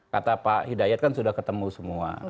kata pak hidayat kan sudah ketemu semua